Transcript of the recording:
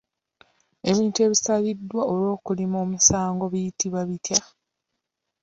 Ebintu ebisaliddwa olw'okulima omusango biyitibwa bitya?